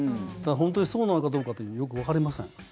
本当にそうなのかどうかってよくわかりません。